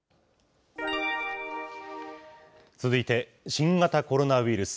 続いて、新型コロナウイルス。